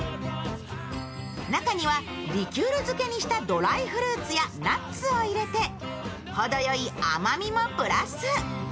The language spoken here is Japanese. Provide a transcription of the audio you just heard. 中にはリキュール漬けにしたドライフルーツやナッツを入れて、ほどよい甘みもプラス。